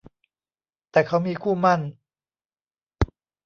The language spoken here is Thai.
แต่เขามีคู่หมั้น